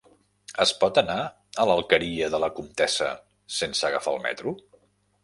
Es pot anar a l'Alqueria de la Comtessa sense agafar el metro?